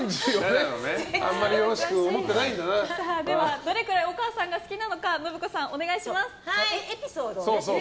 では、どれくらいお母さんが好きなのか信子さん、お願いします。